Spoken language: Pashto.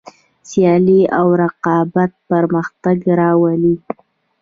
سیالي او رقابت پرمختګ راولي.